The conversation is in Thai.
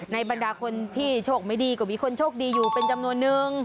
บรรดาคนที่โชคไม่ดีก็มีคนโชคดีอยู่เป็นจำนวนนึง